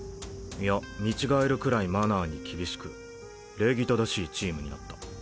いや見違えるくらいマナーに厳しく礼儀正しいチームになった。